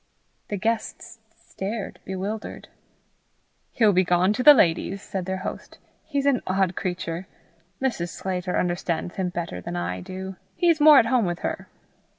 The guests stared bewildered. "He'll be gone to the ladies," said their host. "He's an odd creature. Mrs. Sclater understands him better than I do. He's more at home with her."